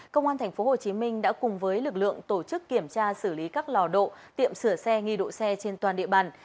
công an tp hcm đã cùng với lực lượng tổ chức kiểm tra xử lý các lò độ tiệm sửa xe nghi độ xe trên toàn địa bàn